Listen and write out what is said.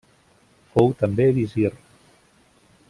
Fou també visir.